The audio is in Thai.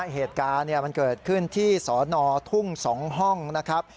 เหตุการณ์มันเกิดขึ้นที่สนทุ่ง๒ห้องนะครับ